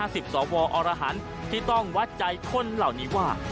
สิบสวอรหันที่ต้องวัดใจคนเหล่านี้ว่า